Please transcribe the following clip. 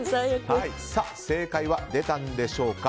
正解は出たんでしょうか。